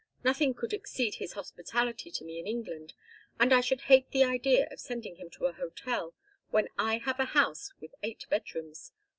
Nothing could exceed his hospitality to me in England, and I should hate the idea of sending him to a hotel when I have a house with eight bedrooms.